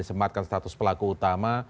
disematkan status pelaku utama